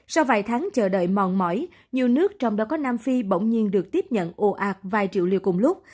sau vài tháng chờ đợi mòn mỏi nhiều nước trong đó có nam phi bỗng nhiên được tiếp nhận ồ ạc vài triệu liều cùng lúc